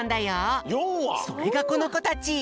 それがこのこたち！